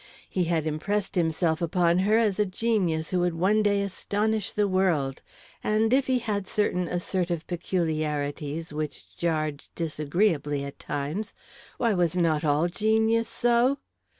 He had impressed himself upon her as a genius who would one day astonish the world; and if he had certain assertive peculiarities which jarred disagreeably at times, why, was not all genius so?